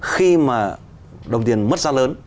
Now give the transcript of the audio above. khi mà đồng tiền mất giá lớn